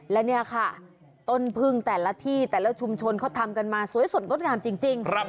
และเนี่ยค่ะต้นพึ่งแต่ละที่แต่ละชุมชนเขาทำกันมาสวยสดงดงามจริง